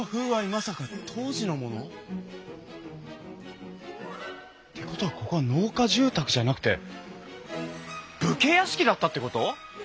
まさか当時のもの？ってことはここは農家住宅じゃなくて武家屋敷だったってこと！？